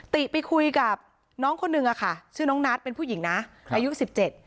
ติไปคุยกับน้องคนหนึ่งอะค่ะชื่อน้องนัทเป็นผู้หญิงนะครับอายุสิบเจ็ด